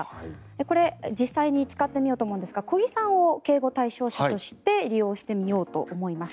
これ、実際に使ってみようと思いますが小木さんを警護対象者として利用してみようと思います。